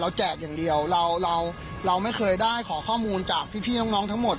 แจกอย่างเดียวเราเราไม่เคยได้ขอข้อมูลจากพี่น้องทั้งหมด